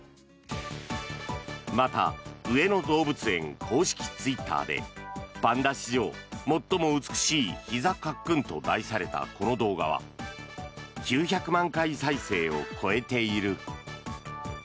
また上野動物園公式ツイッターでパンダ史上最も美しいひざカックンと題されたこの動画は９００万回再生を超えている。